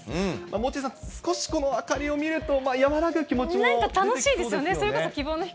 モッチーさん、少しこの明かりを見ると、和らぐ気持ちも出てきそうですよね。